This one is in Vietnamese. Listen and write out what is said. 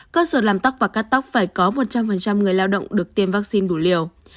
cơ sở làm tóc và cắt tóc phải có một trăm linh người lao động được tiêm vaccine đủ liều